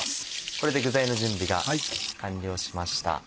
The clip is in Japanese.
これで具材の準備が完了しました。